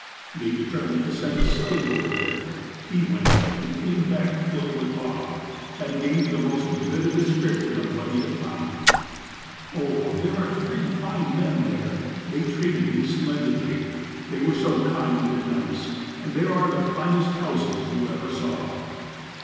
They determined to send a slave over there. He went, and came back filled with awe, and gave the most vivid description of what he had found. " 'Oh, there are three fine men there. They treated me splendidly. They were so kind and nice. And there are the finest houses you ever saw.'